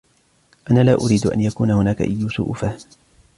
أنا لا أريد أن يكون هناك أي سوء فهم.